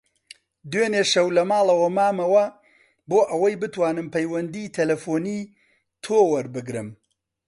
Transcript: دوێنێ شەو لە ماڵەوە مامەوە بۆ ئەوەی بتوانم پەیوەندیی تەلەفۆنیی تۆ وەربگرم.